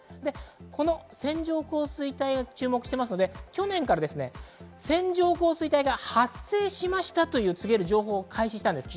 この線状降水帯を注目していますので、去年から線状降水帯が発生しましたと告げる情報を開示したんです。